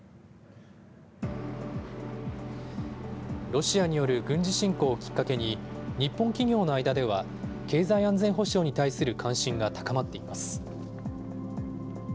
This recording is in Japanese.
ロシアによる軍事侵攻をきっかけに日本企業の間では経済安全保障に対する関心が高まっています。